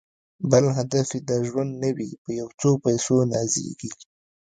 بل هدف یې د ژوند نه وي په یو څو پیسو نازیږي